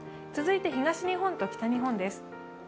続いて東日本と北日本です。